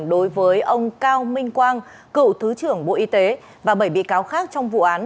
đối với ông cao minh quang cựu thứ trưởng bộ y tế và bảy bị cáo khác trong vụ án